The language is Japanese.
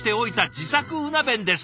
自作うな弁です」。